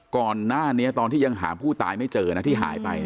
ก่อนหน้านี้ตอนที่ยังหาผู้ตายไม่เจอนะที่หายไป